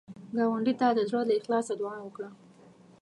ګاونډي ته د زړه له اخلاص دعا وکړه